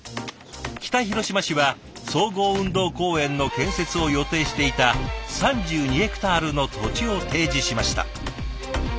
北広島市は総合運動公園の建設を予定していた３２ヘクタールの土地を提示しました。